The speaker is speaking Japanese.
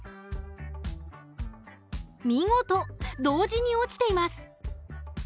見事同時に落ちています。